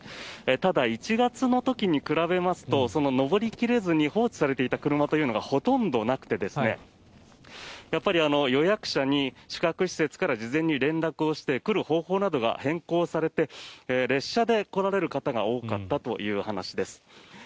ただ、１月の時に比べますと上り切れずに放置されていた車というのがほとんどなくて予約者に宿泊施設から事前に連絡をして来る方法などが変更されて列車で来られる方が多かったという話です。